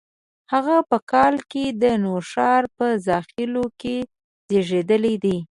هغه په کال کې د نوښار په زاخیلو کې زیږېدلي دي.